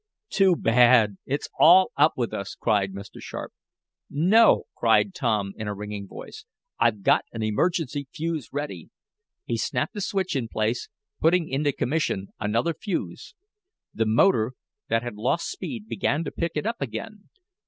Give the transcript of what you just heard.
"Too bad! It's all up with us!" cried Mr. Sharp. "No!" cried Tom in a ringing voice. "I've got an emergency fuse ready!" He snapped a switch in place, putting into commission another fuse. The motor that had lost speed began to pick it up again.